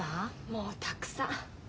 もうたくさん。